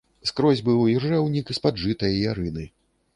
Скрозь быў іржэўнік з-пад жыта і ярыны.